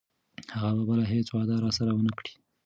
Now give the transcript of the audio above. هغه به بله هیڅ وعده راسره ونه کړي.